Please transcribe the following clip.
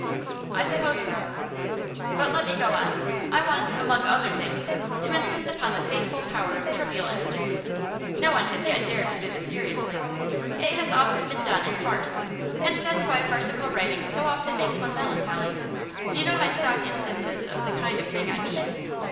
'I suppose so.' 'But let me go on. I want, among other things, to insist upon the fateful power of trivial incidents. No one has yet dared to do this seriously. It has often been done in farce, and that's why farcical writing so often makes one melancholy. You know my stock instances of the kind of thing I mean.